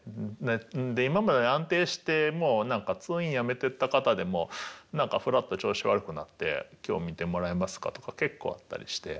で今まで安定してもう通院やめてった方でも何かふらっと「調子悪くなって今日診てもらえますか」とか結構あったりして。